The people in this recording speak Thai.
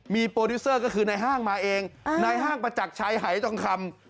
มีโปรดิวเซอร์ก็คือในห้างมาเองในห้างประจักรชัยหายทองคำ